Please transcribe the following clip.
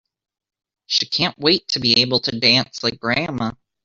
She can't wait to be able to dance like grandma!